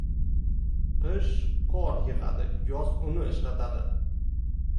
• Qish qor yig‘adi, yoz uni ishlatadi.